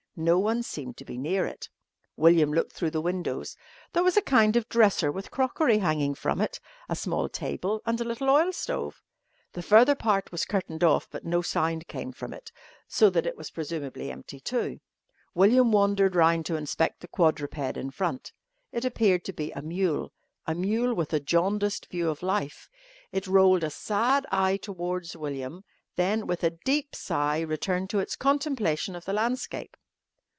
No one seemed to be near it. William looked through the windows. There was a kind of dresser with crockery hanging from it, a small table and a little oil stove. The further part was curtained off but no sound came from it, so that it was presumably empty too. William wandered round to inspect the quadruped in front. It appeared to be a mule a mule with a jaundiced view of life. It rolled a sad eye towards William, then with a deep sigh returned to its contemplation of the landscape.